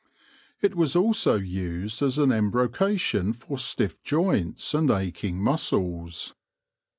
It was also used as an embrocation for stiff joints and aching muscles.